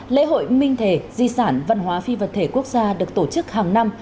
lễ hội minh thề di sản văn hóa phi vật thể quốc gia được tổ chức hàng năm